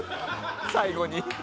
最後に。